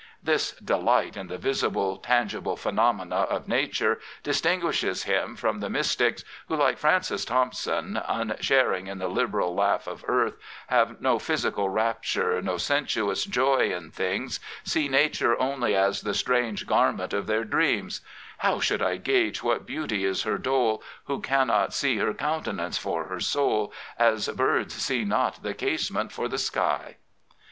This delight in the visible, tangible phenomena of Nature distinguishes him from the mystics who, like Francis Thompson, " unsharing in the liberal laugh of earth," having no physical rapture, no sensuous joy in things, see Nature only as the strange garment of their dreams — How should I gauge what beauty is her dole, Who cannot see her countenance for her soul. As birds see not the casement for the sky